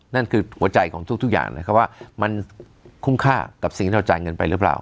นั่นคือหัวใจของทุกอย่างนะครับว่ามันคุ้มค่ากับสิ่งที่เราจ่ายเงินไปหรือเปล่า